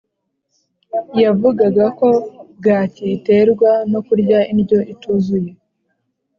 yavugaga ko bwaki iterwa no kurya indyo ituzuye